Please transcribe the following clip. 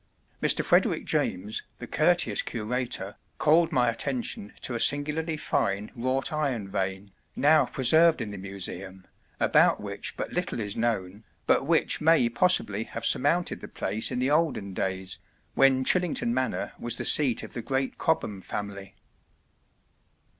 Mr. Frederick James, the courteous curator, called my attention to a singularly fine wrought iron vane, now preserved in the Museum, about which but little is known, but which may possibly have surmounted the place in the olden days when Chillington Manor was the seat of the great Cobham family.